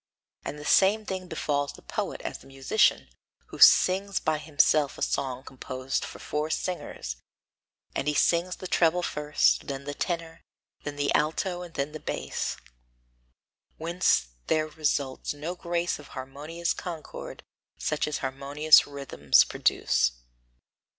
And the same thing befalls the poet as the musician, who sings by himself a song composed for four singers; and he sings the treble first, then the tenor, then the alto and then the bass, whence there results no grace of harmonious concord such as harmonious rhythms produce.